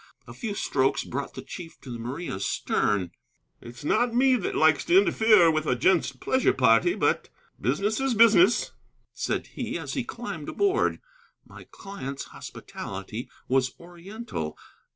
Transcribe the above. A few strokes brought the chief to the Maria's stern. "It's not me that likes to interfere with a gent's pleasure party, but business is business," said he, as he climbed aboard. My client's hospitality was oriental.